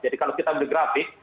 jadi kalau kita grafik